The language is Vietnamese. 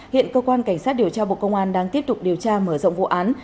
hiện cơ quan cảnh sát điều tra bộ công an đang tiếp tục điều tra mở rộng vụ án